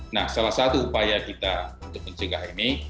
nah salah satu upaya kita untuk mencegah ini